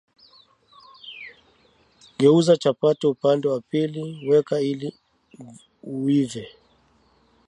Geuza chapati upande wa pili weka ili uive